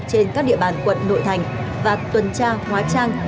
trên các địa bàn quận nội thành và tuần tra hóa trang